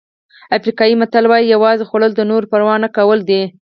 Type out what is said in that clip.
افریقایي متل وایي یوازې خوړل د نورو پروا نه کول دي.